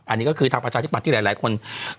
อันนี้ก็คือทางประชาธิบัตย์ที่หลายคน